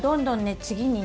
次にね